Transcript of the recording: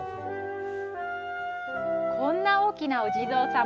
こんな大きなお地蔵様